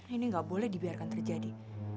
ini nggak boleh dibiarkan terjadi